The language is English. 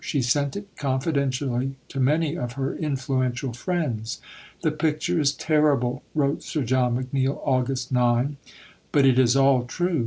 She sent it confidentially to many of her influential friends. "The picture is terrible," wrote Sir John McNeill (Aug. 9), "but it is all true.